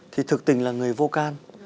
thì thực tình là người vô can